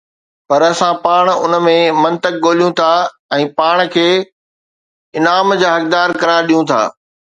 پر اسان پاڻ ان ۾ منطق ڳوليون ٿا ۽ پاڻ کي انعام جا حقدار قرار ڏيون ٿا